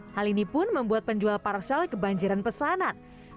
hal ini pun membuat penjual parsel kebanjiran pesanan